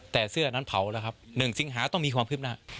แต่เสื้อนั้นเผาแล้วครับ๑สิงหาต้องมีความคืบหน้า